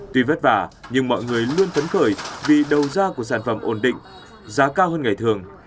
tuy vất vả nhưng mọi người luôn phấn khởi vì đầu ra của sản phẩm ổn định giá cao hơn ngày thường